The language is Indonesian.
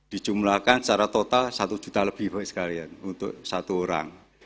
dijumlahkan secara total satu juta lebih baik sekalian untuk satu orang